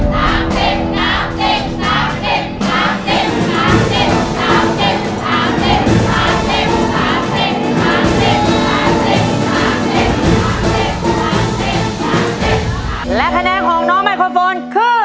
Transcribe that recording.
ก็ถือว่าอยู่ในเกณฑ์ของมาตรฐาน